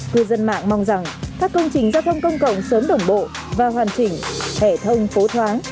cư dân mạng mong rằng các công trình giao thông công cộng sớm đồng bộ và hoàn chỉnh thể thông phố thoáng